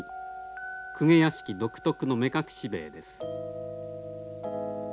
公家屋敷独特の目隠し塀です。